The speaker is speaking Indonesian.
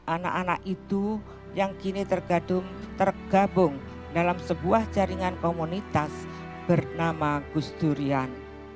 anak anak itu yang kini tergabung dalam sebuah jaringan komunitas bernama gus durian